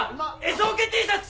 ＳオケＴシャツ！